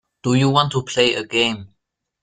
Do you want to play a game.